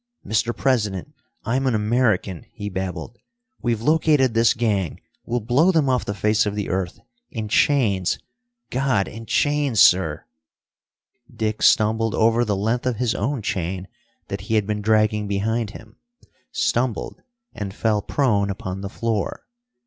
"Mr. President, I'm an American," he babbled. "We've located this gang, we'll blow them off the face of the earth. In chains God, in chains, sir " Dick stumbled over the length of his own chain that he had been dragging behind him stumbled and fell prone upon the floor.